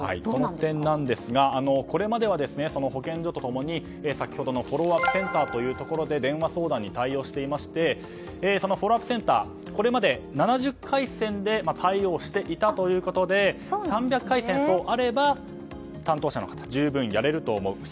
その点ですがこれまでは保健所と共に先ほどのフォローアップセンターというところで電話相談に対応していましてそのフォローアップセンターこれまで７０回線で対応していたということで３００回線あれば担当者の方は十分やれると思う。